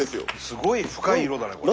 すごい深い色だねこれ。